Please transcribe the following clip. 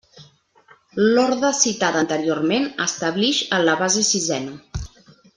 L'Orde citada anteriorment, establix en la base sisena.